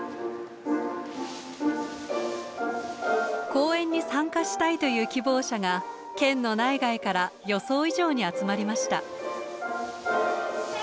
公演に参加したいという希望者が県の内外から予想以上に集まりました。